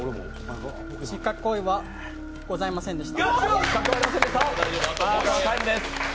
失格行為はございませんでした。